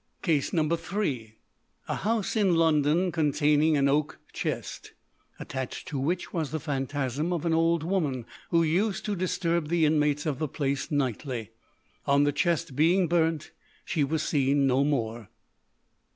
Case No. 3. A house in London containing an oak chest, attached to which was the phantasm of an old woman, who used to disturb the inmates of the place nightly. (On the chest being burnt she was seen no more.)